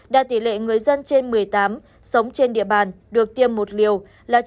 đạt tỷ lệ người dân trên một mươi tám sống trên địa bàn được tiêm một liều là chín mươi